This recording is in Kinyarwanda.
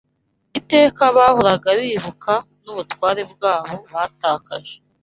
Iteka bahoraga bibuka n’ubutware bwabo batakaje